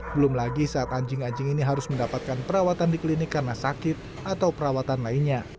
belum lagi saat anjing anjing ini harus mendapatkan perawatan di klinik karena sakit atau perawatan lainnya